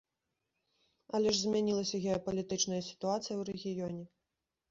Але ж змянілася геапалітычная сітуацыя ў рэгіёне.